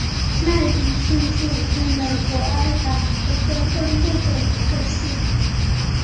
麦迪逊县是美国爱达荷州东部的一个县。